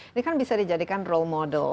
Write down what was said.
ini kan bisa dijadikan role model